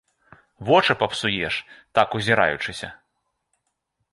Вочы папсуеш, так узіраючыся!